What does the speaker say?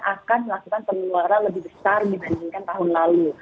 akan melakukan pengeluaran lebih besar dibandingkan tahun lalu